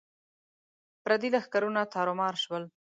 پردي لښکرونه تارو مار شول.